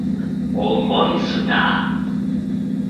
o monsuta!